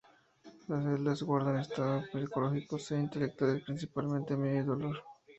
Las "celdas" guardan estados psicológicos e intelectuales, principalmente miedo y dolor.